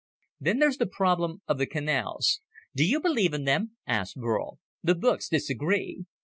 Then there's the problem of the canals...." "Do you believe in them?" asked Burl. "The books disagree.